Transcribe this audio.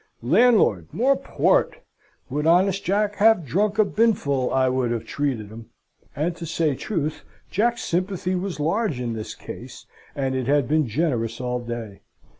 Landlord, more port! Would honest Jack have drunk a binful I would have treated him; and, to say truth, Jack's sympathy was large in this case, and it had been generous all day.